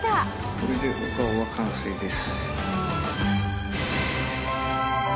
これでお顔は完成です。